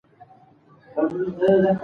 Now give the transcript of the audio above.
د هغه د څېړني میتود ځانګړی و.